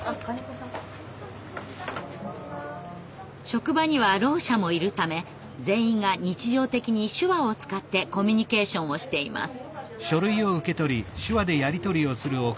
職場にはろう者もいるため全員が日常的に手話を使ってコミュニケーションをしています。